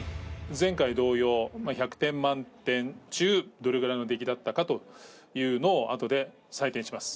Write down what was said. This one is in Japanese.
前回同様１００点満点中どれぐらいの出来だったかというのをあとで採点します。